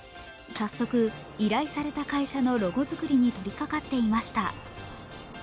早速、依頼された会社のロゴ作りにとりかかっていました。